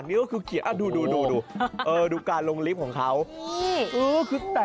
นี่แล้วดูการเขียนตรงของเขานะ